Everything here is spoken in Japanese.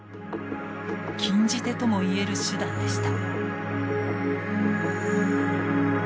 禁じ手ともいえる手段でした。